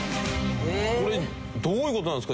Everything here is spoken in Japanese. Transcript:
これどういう事なんですか？